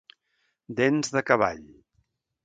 Dents de cavall.